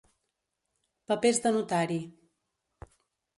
Papers de notari.